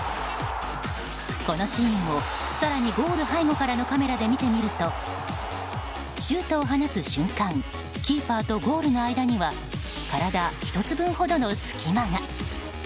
このシーンを更にゴール背後からのカメラで見てみるとシュートを放つ瞬間キーパーとゴールの間には体１つ分ほどの隙間が。